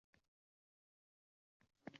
O`g`lim ham uyda ekan